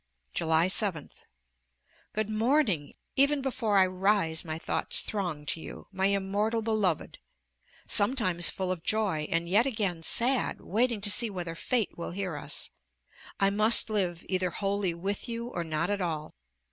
JULY 7th. Good morning! Even before I rise, my thoughts throng to you, my immortal beloved! sometimes full of joy, and yet again sad, waiting to see whether Fate will hear us. I must live either wholly with you, or not at all.